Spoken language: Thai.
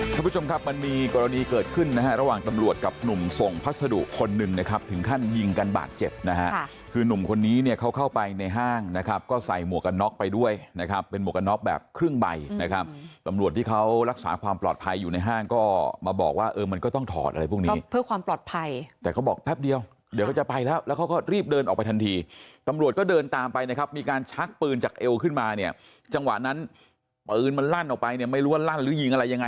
คุณผู้ชมครับมันมีกรณีเกิดขึ้นนะฮะระหว่างตำรวจกับหนุ่มส่งพัสดุคนหนึ่งนะครับถึงขั้นยิงกันบาดเจ็บนะฮะคือนุ่มคนนี้เนี่ยเขาเข้าไปในห้างนะครับก็ใส่หมวกกันน๊อกไปด้วยนะครับเป็นหมวกกันน๊อกแบบเครื่องใบนะครับตำรวจที่เขารักษาความปลอดภัยอยู่ในห้างก็มาบอกว่ามันก็ต้องถอดอะไรพวกนี้เพื่อความปลอ